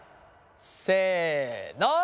せの！